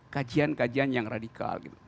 kajian kajian yang radikal